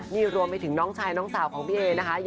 มีรวมไปถึงน้องชายน้องสาวพี่เอ